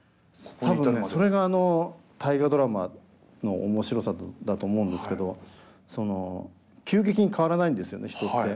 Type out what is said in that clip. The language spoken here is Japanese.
多分それが「大河ドラマ」の面白さだと思うんですけど急激に変わらないんですよね人って。